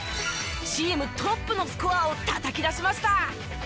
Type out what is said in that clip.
チームトップのスコアをたたき出しました。